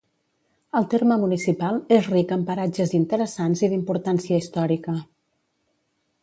El terme municipal és ric en paratges interessants i d'importància històrica